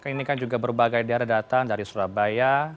ini kan juga berbagai daerah datang dari surabaya